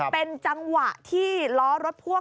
เป็นจังหวะที่ล้อรถพ่วง